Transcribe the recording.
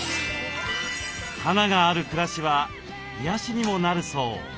花がある暮らしは癒やしにもなるそう。